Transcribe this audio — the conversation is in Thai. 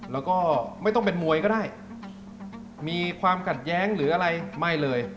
แล้วก็ไม่ต้องเป็นมวยก็ได้มีความขัดแย้งหรืออะไรไม่เลย